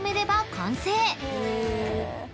［完成］